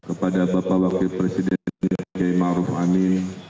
kepada bapak wakil presiden j ma ruf amin